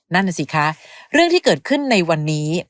นั่นน่ะสิคะเรื่องที่เกิดขึ้นในวันนี้